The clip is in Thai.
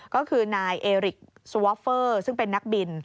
ก็คือนายเอริกสวอฟเฟอร์ซึ่งเป็นนักบิน